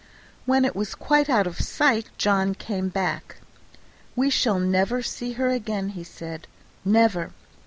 When it was quite out of sight John came back. "We shall never see her again," he said "never."